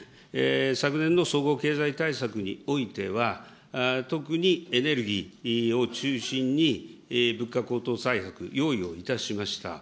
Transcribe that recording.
昨年度の総合経済対策においては、特にエネルギーを中心に、物価高騰対策、用意をいたしました。